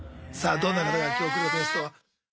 どんな方が今日来るゲストは。